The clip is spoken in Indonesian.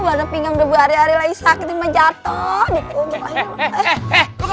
mana pinggang debu hari hari lagi sakit emang jatuh